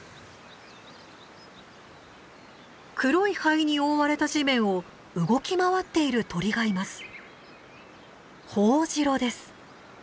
黒い灰に覆われた地面を動き回っている鳥がいます。